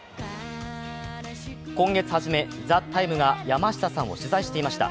今月初め「ＴＨＥＴＩＭＥ，」が山下さんを取材していました。